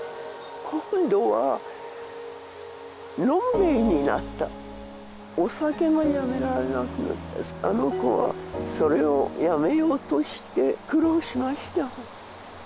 今度は飲んべえになったお酒がやめられなくなってあの子はそれをやめようとして苦労しました